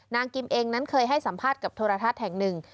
กิมเองนั้นเคยให้สัมภาษณ์กับโทรทัศน์แห่งหนึ่ง